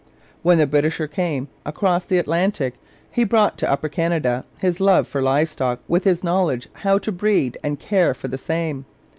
When the Britisher came across the Atlantic he brought to Upper Canada his love for live stock and his knowledge how to breed and care for the same.